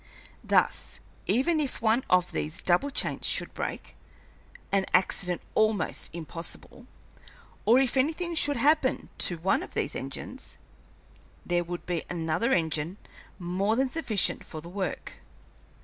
Thus, even if one of these double chains should break an accident almost impossible or if anything should happen to one of these engines, there would be another engine more than sufficient for the work.